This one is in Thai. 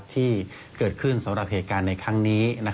ที่เกิดขึ้นสำหรับเหตุการณ์ในครั้งนี้